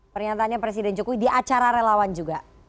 pernyataannya presiden jokowi di acara relawan juga